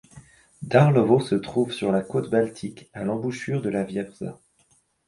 Darłowo se trouve sur la côte Baltique, à l’embouchure de la Wieprza.